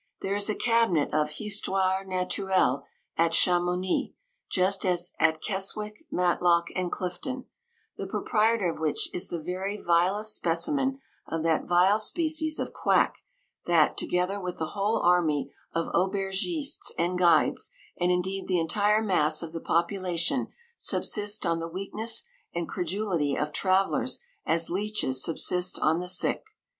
There is a cabinet of Histoire Naturelle at Chamouni, just as at Keswick, Matlock, and Clifton ; the proprietor of which is the very vilest specimen of that vile species of 171 quack that, together with the whole army of aubergistes and guides, and indeed the entire mass of the popula tion, subsist on the weakness and cre dulity of travellers as leaches subsist on the sick.